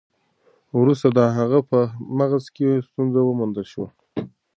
وروسته د هغه په مغز کې ستونزه وموندل شوه.